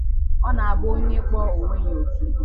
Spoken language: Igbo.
Ọ na-abụ onye kpọọ onwe ya òké